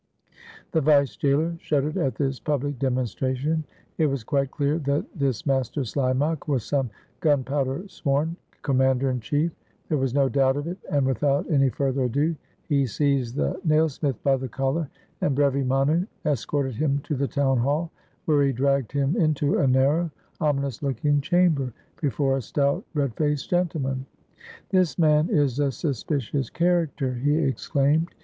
The vice jailer shuddered at this pubKc demonstra tion. It was quite clear that this Master Slimak was some gunpowder sworn commander in chief — there was no doubt of it, and, without any further ado, he seized the nailsmith by the collar, and, brevi manu, es corted him to the town hall, where he dragged him into a narrow, ominous looking chamber, before a stout, red faced gentleman. "This man is a suspicious character," he exclaimed.